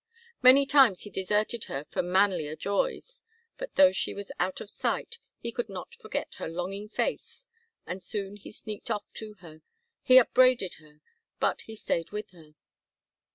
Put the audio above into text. Many times he deserted her for manlier joys, but though she was out of sight he could not forget her longing face, and soon he sneaked off to her; he upbraided her, but he stayed with her.